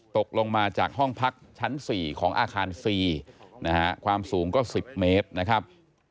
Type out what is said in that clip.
ตกลงมาจากห้องพักชั้น๔ของอาคารซีนะฮะความสูงก็๑๐เมตรนะครับ